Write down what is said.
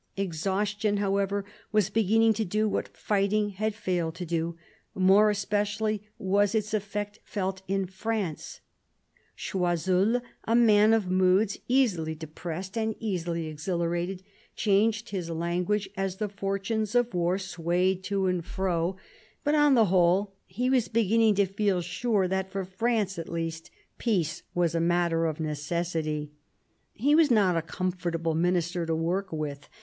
Exhaustion, however, was beginning to do what fighting had failed to do. More especially was its effect felt in France. Choiseul, a man of moods, easily depressed and easily exhilarated, changed his language «s the fortunes of war swayed to and fro ; but on the 172 MARIA THERESA chap, viii whole he was beginning to feel sure that, for France at least, peace was a matter of necessity. He was not a comfortable minister to work with.